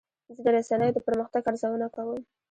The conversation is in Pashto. زه د رسنیو د پرمختګ ارزونه کوم.